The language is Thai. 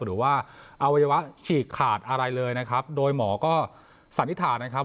หรือว่าอวัยวะฉีกขาดอะไรเลยนะครับโดยหมอก็สันนิษฐานนะครับ